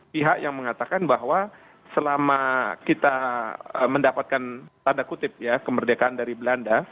pihak yang mengatakan bahwa selama kita mendapatkan tanda kutip ya kemerdekaan dari belanda